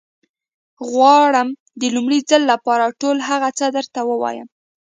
غواړم د لومړي ځل لپاره ټول هغه څه درته ووايم.